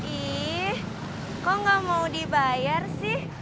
ih kok gak mau dibayar sih